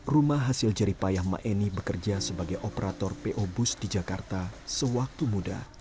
rumah hasil jari payah ma emi bekerja sebagai operator po bus di jakarta sewaktu muda